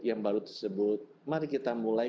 yang baru tersebut mari kita mulai